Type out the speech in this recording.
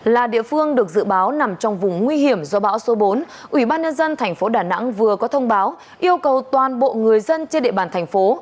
là địa phương được dự báo nằm trong vùng nguy hiểm do bão số bốn ủy ban nhân dân thành phố đà nẵng vừa có thông báo yêu cầu toàn bộ người dân trên địa bàn thành phố